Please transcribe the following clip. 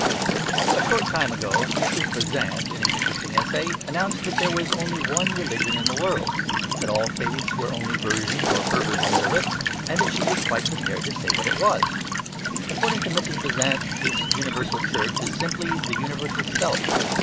A short time ago Mrs. Besant, in an interesting essay, announced that there was only one religion in the world, that all faiths were only versions or perversions of it, and that she was quite prepared to say what it was. According to Mrs. Besant this universal Church is simply the universal self.